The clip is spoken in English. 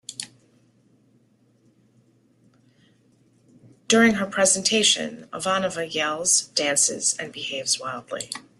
During her "presentation" Ivanova yells, dances, and behaves wildly.